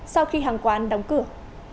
sau khi hàng quán đóng cửa